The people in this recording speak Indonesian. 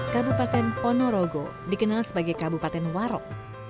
kabupaten ponorogo dikenal sebagai kabupaten warok